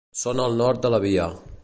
Són al nord de la Via.